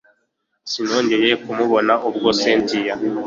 sinongeye kumubona ubwo cyntia